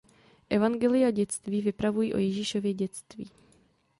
Evangelia dětství vyprávějí o Ježíšově dětství.